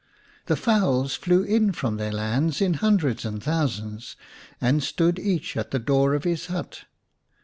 The fowls flew in from their lands in hundreds and thousands, and stood each at the door of his hut.